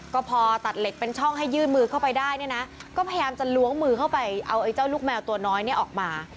ก็พอตัดเหล็กเป็นช่องให้ยื่นมือเข้าไปได้เนี่ยนะก็พยายามจะล้วงมือเข้าไปเอาไอ้เจ้าลูกแมวตัวน้อยเนี่ยออกมา